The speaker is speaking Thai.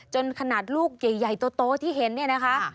ขนาดลูกใหญ่โตที่เห็นเนี่ยนะคะ